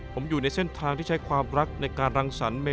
ผมอยู่ในเส้นทางที่ใช้ความรักในการรังสรรค์